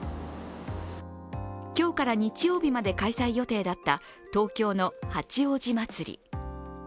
今日から日曜日まで開催予定だった東京の八王子まつり。